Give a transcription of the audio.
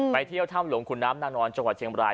ไปที่เที่ยวถ้ำเหลวหล่องขุนน้ำนโนรจังหวัดเชียงบราย